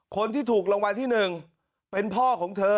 คนที่ถูกรางวัลที่๑เป็นพ่อของเธอ